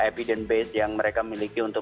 evidence base yang mereka miliki untuk